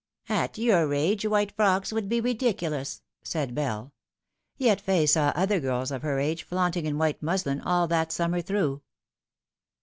" At your age white frocks would be ridiculous," said Bell ; yet Fay saw other girls of her age flaunting in white muslin all that summer through.